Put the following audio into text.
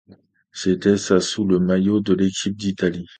C'était sa sous le maillot de l'équipe d'Italie.